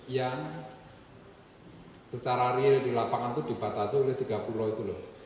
yang secara real di lapangan itu dibatasi oleh tiga pulau itu loh